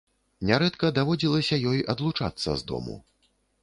Нярэдка даводзілася ёй адлучацца з дому.